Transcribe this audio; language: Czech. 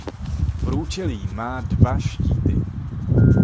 Průčelí má dva štíty.